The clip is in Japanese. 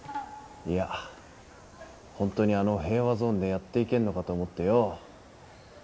いやホントにあの平和ゾーンでやっていけんのかと思ってよう。